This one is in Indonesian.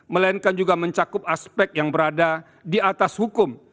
melainkan juga mencakup aspek yang berada di atas hukum